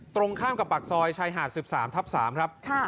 ตรงข้ามกับปากซอยชายหาด๑๓ทับ๓ครับ